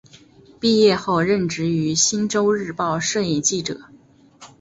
毕业后任职于星洲日报摄影记者。